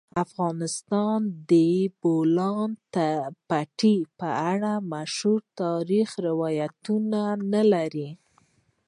افغانستان د د بولان پټي په اړه مشهور تاریخی روایتونه لري.